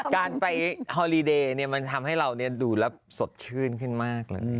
การไปฮอลีเดย์มันทำให้เราดูแล้วสดชื่นขึ้นมากเลย